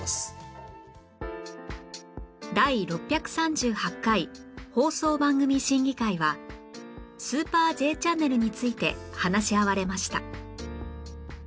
第６３８回放送番組審議会は『スーパー Ｊ チャンネル』について話し合われました